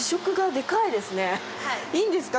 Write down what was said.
いいんですか。